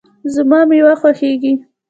زما مېوه خوښیږي